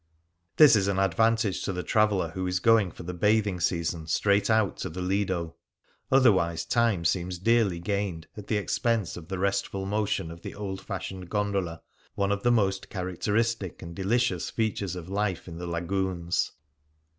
This is an advantage to the traveller who is going for the bathing season straight out to the Lido; otherwise time seems dearly gained at the expense of the restful motion of the old fashioned gondola, one of the most characteristic and delicious features of life in the Lagoons.